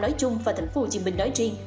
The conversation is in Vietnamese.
nói chung và thành phố hồ chí minh nói riêng